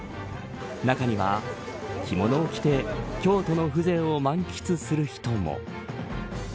中には、着物を着て京都の風情を満喫する人も。